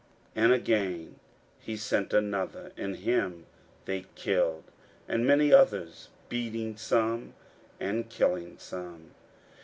41:012:005 And again he sent another; and him they killed, and many others; beating some, and killing some.